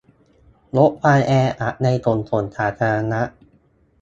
ลดความแออัดในขนส่งสาธารณะ